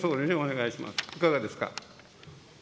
いかがですか。